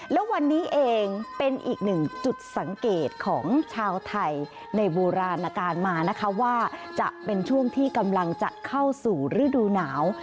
แล้ววันนี้เองเป็นอีกหนึ่งจุดสังเกตของชาวไทยในโบราณการมานะคะว่าจะเป็นช่วงที่กำลังจะเข้าสู่ฤดูหนาว